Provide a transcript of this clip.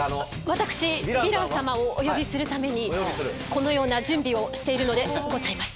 私ヴィラン様をお呼びするためにこのような準備をしているのでございます。